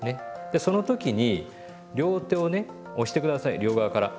でその時に両手をね押して下さい両側から。